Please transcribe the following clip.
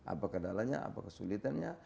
apa keadaannya apa kesulitannya